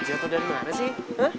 jatuh dari mana sih